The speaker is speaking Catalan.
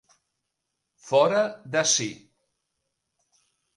Fora de si.